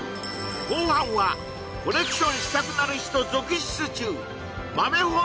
後半はコレクションしたくなる人続出中